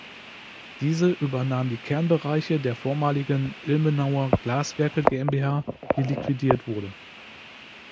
Diese übernahm die Kernbereiche der vormaligen Ilmenauer Glaswerke GmbH, die liquidiert wurde.